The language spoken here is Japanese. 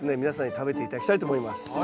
皆さんに食べて頂きたいと思います。